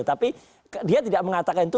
tapi dia tidak mengatakan itu